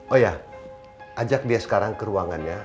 oh ya ajak dia sekarang ke ruangannya